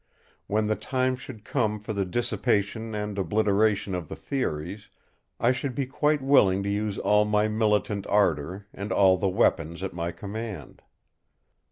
When the time should come for the dissipation and obliteration of the theories, I should be quite willing to use all my militant ardour, and all the weapons at my command.